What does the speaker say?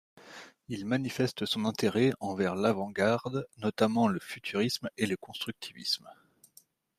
Il manifeste son intérêt envers l’avant-garde, notamment le Futurisme et le Constructivisme.